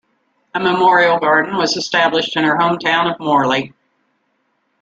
A memorial garden was established in her home town of Morley.